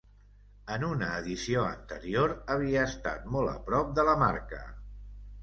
En una edició anterior havia estat molt a prop de la marca.